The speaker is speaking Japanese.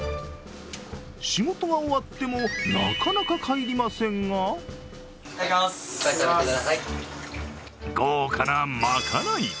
仕事が終わっても、なかなか帰りませんが豪華な、まかない！